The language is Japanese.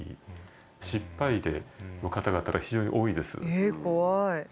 ええ怖い！